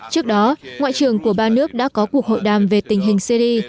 trước đó ngoại trưởng của ba nước đã có cuộc hội đàm về tình hình syri